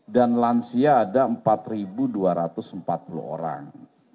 lansia ada empat dua ratus empat puluh orang